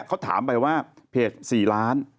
เขาถามไปว่าเพจ๔ล้าน